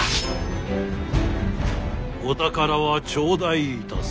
お宝は頂戴いたす。